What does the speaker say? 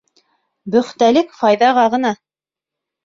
Бөхтәлек файҙаға ғына...